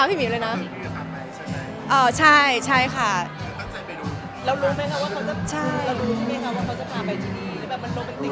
เรารู้ไหมครับว่าเขาจะเรารู้ไหมครับว่าเขาจะพาไปที่นี่